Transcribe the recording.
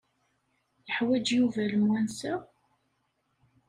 Yeḥwaj Yuba lemwansa?